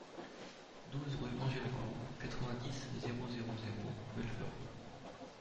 douze rue Engel Gros, quatre-vingt-dix, zéro zéro zéro, Belfort